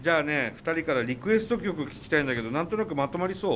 ２人からリクエスト曲聞きたいんだけど何となくまとまりそう？